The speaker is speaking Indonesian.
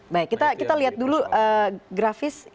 baik kita lihat dulu grafis